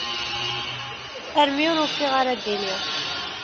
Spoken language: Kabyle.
Armi ur ufiɣ ara d-iniɣ.